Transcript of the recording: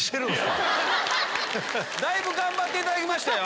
だいぶ頑張っていただきましたよ。